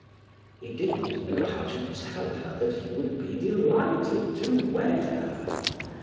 He did not know how to tell her that he would be delighted to wed her.